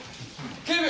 警部！